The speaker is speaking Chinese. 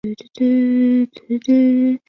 兴安堇菜是堇菜科堇菜属的植物。